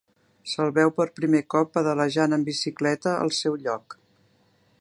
Se'l veu per primer cop pedalejant en bicicleta al seu lloc.